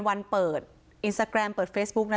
วันเปิดอินสตาแกรมเปิดเฟซบุ๊กนะ